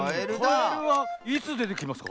カエルはいつでてきますか？